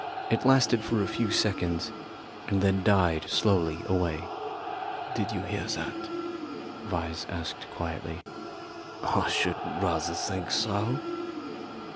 It lasted for a few seconds, and then died slowly away. "Did you hear that?" Vyse asked quietly. "I should rather think so."